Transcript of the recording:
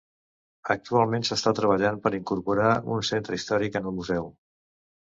Actualment s'està treballant per incorporar un centre històric en el museu.